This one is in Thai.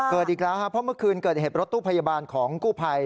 อีกแล้วครับเพราะเมื่อคืนเกิดเหตุรถตู้พยาบาลของกู้ภัย